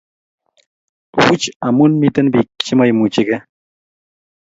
buch amu miten bik chemaimuchige